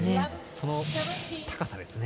その高さですね。